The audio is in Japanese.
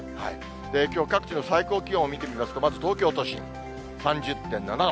きょう各地の最高気温を見てみますと、まず東京都心３０．７度。